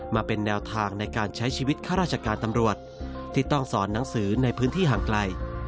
มาเป็นแนวทางในการใช้ชีวิตข้าราชการตำรวจที่ต้องสอนหนังสือในพื้นที่ห่างไกล